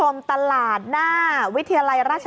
ก็ไม่มีอำนาจ